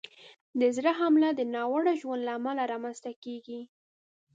د زړه حمله د ناوړه ژوند له امله رامنځته کېږي.